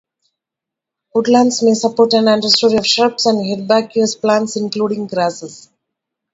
Woodlands may support an understory of shrubs and herbaceous plants including grasses.